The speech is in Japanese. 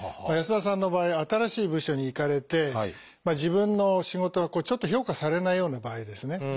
安田さんの場合は新しい部署に行かれて自分の仕事がちょっと評価されないような場合ですね。